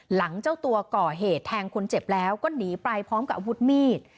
หลังเจ้าตัวก่อเหตุแทงคนเจ็บแล้วก็หนีไปพร้อมกับอาวุธมีด